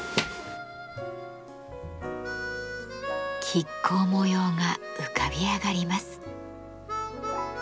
亀甲模様が浮かび上がります。